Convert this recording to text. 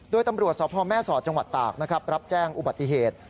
โดยตำรวจสพแม่สอดจังหวัดตากนะครับรับแจ้งอุบัติเหตุ